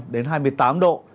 đến hai mươi tám độ